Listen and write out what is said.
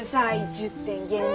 １０点減点。